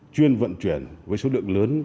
chuyên vận chuyển với số lượng lớn